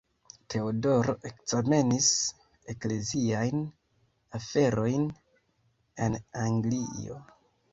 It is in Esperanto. Teodoro ekzamenis ekleziajn aferojn en Anglio.